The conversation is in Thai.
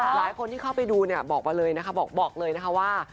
หลายคนที่เข้าไปดูมาเลยบอกว่า